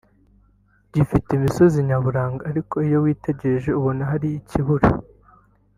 gifite imisozi nyaburanga ariko iyo witegereje urabona ko hari ikibura